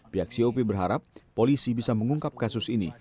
tapi berharap polisi bisa mengungkap kasus ini